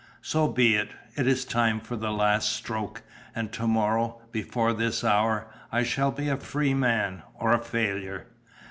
So be it! It is time for the last stroke, and to morrow, before this hour, I shall be a free man, or a failure."